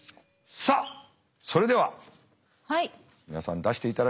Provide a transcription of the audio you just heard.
さあそれでは皆さん出していただきましょう。